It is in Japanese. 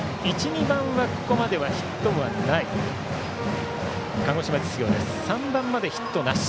１、２番はここまではヒットがない鹿児島実業です。